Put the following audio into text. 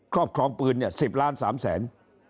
ครอบครองปืนเนี่ย๑๐ล้าน๓แสน